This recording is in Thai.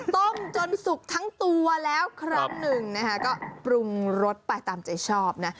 ต้มจนสุกทั้งตัวแล้วครั้งหนึ่งนะคะก็ปรุงรสไปตามใจชอบนะ